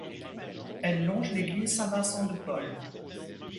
Elle longe l'église Saint-Vincent-de-Paul.